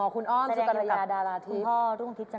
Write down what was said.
อ้อคุณอ้อมสุกันลัยยาดาราธิปศ์